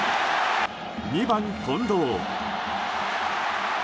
２番、近藤。